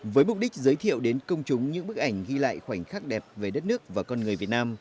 với mục đích giới thiệu đến công chúng những bức ảnh ghi lại khoảnh khắc đẹp về đất nước và con người việt nam